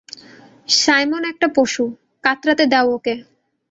Simon একটা পশু, কাতরাতে দাও ওকে!